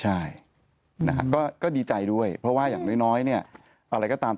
ใช่นะฮะก็ดีใจด้วยเพราะว่าอย่างน้อยเนี่ยอะไรก็ตาม